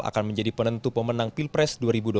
akan menjadi penentu pemenang pilpres dua ribu dua puluh